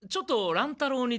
乱太郎に？